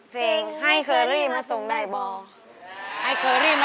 เพลงให้เกอรี่มาส่งได้บ่า